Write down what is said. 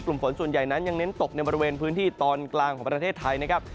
ฝนส่วนใหญ่นั้นยังเน้นตกในบริเวณพื้นที่ตอนกลางของประเทศไทยนะครับ